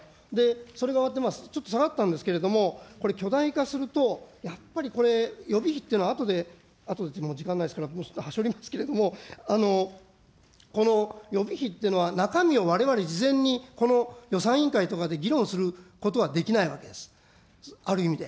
それが終わってちょっと下がったんですけれども、これ、巨大化すると、やっぱりこれ、予備費っていうのは、あとで、あとでってもう時間ないですから、はしょりますけども、この予備費っていうのは、中身をわれわれ、事前に予算委員会とかで議論することはできないわけです、ある意味で。